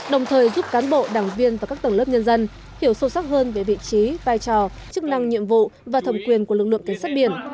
đồng thời giúp cán bộ đảng viên và các tầng lớp nhân dân hiểu sâu sắc hơn về vị trí vai trò chức năng nhiệm vụ và thẩm quyền của lực lượng cảnh sát biển